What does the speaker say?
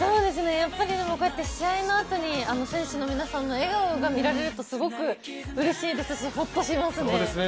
試合のあと、選手の皆さんの笑顔が見られるとすごくうれしいですしホッとしますね。